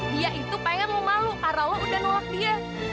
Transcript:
dia itu pengen ngomong lu karena lu udah nolak dia